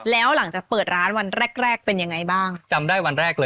แล้วหลังจากเปิดร้านวันแรกเป็นยังไงบ้าง